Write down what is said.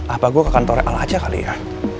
apa gue ke kantor l aja kali ya